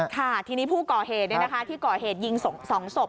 ค่ะทีนี้ผู้ก่อเหตุที่ก่อเหตุยิง๒ศพ